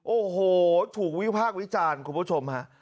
โอ้โหถูกวิพากษ์วิจารณ์คุณผู้ชมฮะ